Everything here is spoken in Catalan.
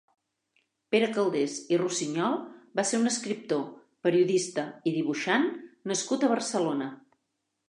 Pere Calders i Rossinyol va ser un escriptor, periodista i dibuixant nascut a Barcelona.